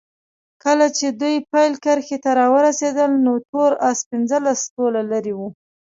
کله چې دوی پیل کرښې ته راورسېدل نو تور اس پنځلس طوله لرې وو.